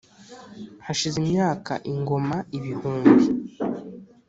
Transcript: hashize imyaka ingoma ibihumbi